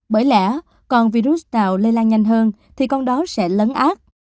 bởi lẽ còn virus nào lây lan nhanh hơn thì con đó sẽ lớn ác